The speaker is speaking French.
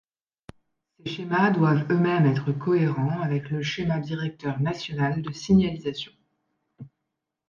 Ces schémas doivent eux-mêmes être cohérents avec le schéma directeur national de signalisation.